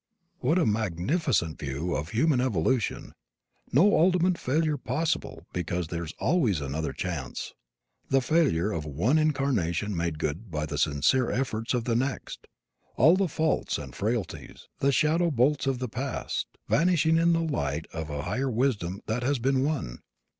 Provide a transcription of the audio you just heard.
What a magnificent view of human evolution! No ultimate failure possible because there is always another chance. The failure of one incarnation made good by the sincere efforts of the next. All the faults and frailties the shadow blots of the past vanishing in the light of a higher wisdom that has been won.